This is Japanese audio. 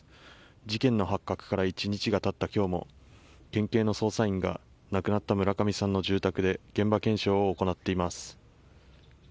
事件の発覚から１日が経った今日も県警の捜査員が亡くなった村上さんの住宅で現場検証を行っています。